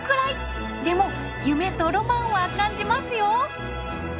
でも夢とロマンは感じますよ！